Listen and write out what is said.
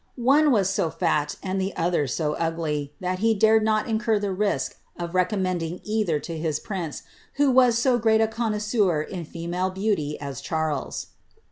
One was so fat, and the other so ugly, that he dated not incur the risk of recommending either to a prince, who was so grcit a connoisseur in female beauty as Charles.'